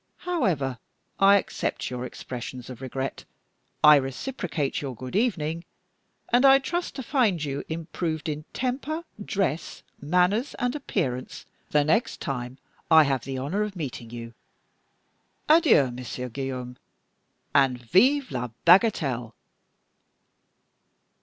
However, I accept your expressions of regret; I reciprocate your 'Good evening'; and I trust to find you improved in temper, dress, manners, and appearance the next time I have the honor of meeting you. Adieu, Monsieur Guillaume, and! _Vive la bagatelle!"